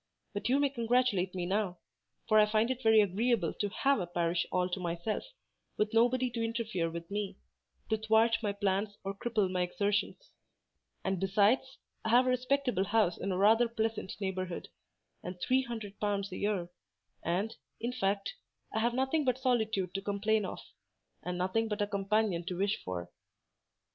But you may congratulate me now; for I find it very agreeable to have a parish all to myself, with nobody to interfere with me—to thwart my plans or cripple my exertions: and besides, I have a respectable house in a rather pleasant neighbourhood, and three hundred pounds a year; and, in fact, I have nothing but solitude to complain of, and nothing but a companion to wish for."